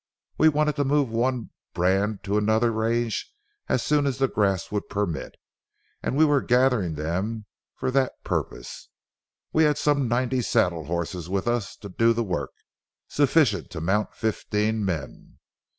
We wanted to move one brand to another range as soon as the grass would permit, and we were gathering them for that purpose. We had some ninety saddle horses with us to do the work,—sufficient to mount fifteen men.